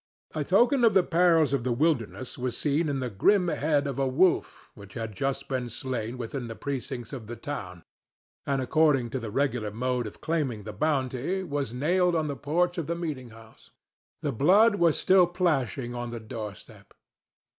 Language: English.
A token of the perils of the wilderness was seen in the grim head of a wolf which had just been slain within the precincts of the town, and, according to the regular mode of claiming the bounty, was nailed on the porch of the meeting house. The blood was still plashing on the doorstep.